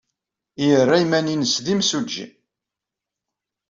Yerra iman-nnes d imsujji.